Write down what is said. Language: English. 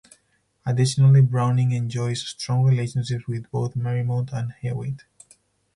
Additionally, Browning enjoys strong relationships with both Marymount and Hewitt.